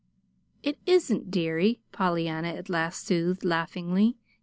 "It isn't, dearie," Pollyanna at last soothed laughingly.